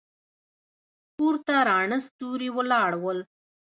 پورته راڼه ستوري ولاړ ول.